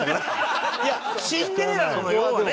『シンデレラ』なの要はね